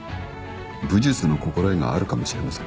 武術の心得があるかもしれません。